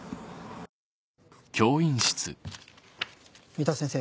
三田先生。